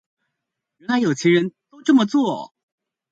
原來有錢人都這麼做